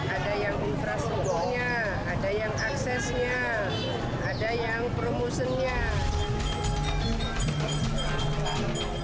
ada yang infrastrukturnya ada yang aksesnya ada yang promotionnya